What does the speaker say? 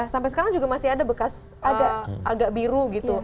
sampai sekarang juga masih ada bekas agak biru gitu